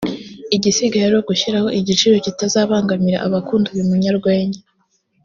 igisigaye ari ugushyiraho igiciro kitazabangamira abakunda uyu munyarwenya